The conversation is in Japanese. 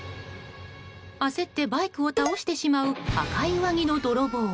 焦ってバイクを倒してしまう赤い上着の泥棒。